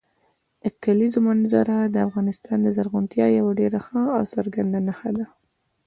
د کلیزو منظره د افغانستان د زرغونتیا یوه ډېره ښه او څرګنده نښه ده.